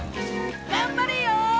頑張れよ